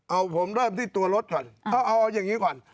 เอาผมเริ่มที่ตัวรถก่อนเอาอย่างนี้ก่อน